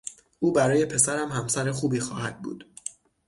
او برای پسرم همسر خوبی خواهد بود.